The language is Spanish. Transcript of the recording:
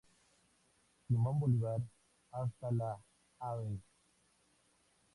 Simón Bolívar hasta la Av.